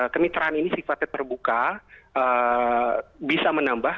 kemitraan ini sifatnya terbuka bisa menambah